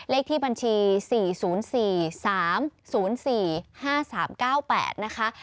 เลขที่บัญชี๔๐๔๓๐๔๕๓๙๘นะคะ